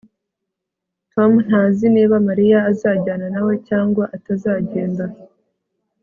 Tom ntazi niba Mariya azajyana nawe cyangwa atazagenda